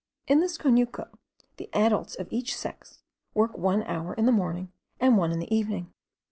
In this conuco the adults of each sex work one hour in the morning and one in the evening.